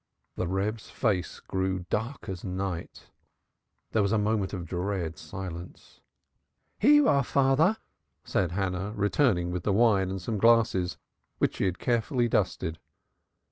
The Reb's face grew dark as night. There was a moment of dread silence. "Here you are, father," said Hannah, returning with the wine and some glasses which she had carefully dusted.